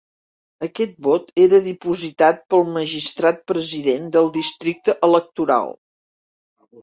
Aquest vot era dipositat pel magistrat president del districte electoral.